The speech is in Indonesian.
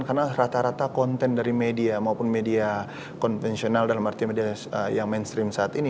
karena rata rata konten dari media maupun media konvensional dalam arti media yang mainstream saat ini